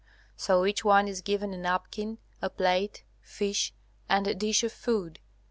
So each one is given a napkin, a plate, fish, and a dish of food.